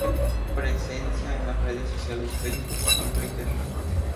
Tiene presencia en las redes sociales Facebook y Twitter.